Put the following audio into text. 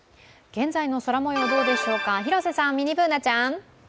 現在の空もようどうでしょうか、広瀬さん、ミニＢｏｏｎａちゃん。